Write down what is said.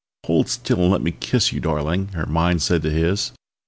"Hold still and let me kiss you, darling," her mind said to his.